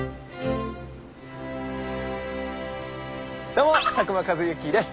どうも佐久間一行です。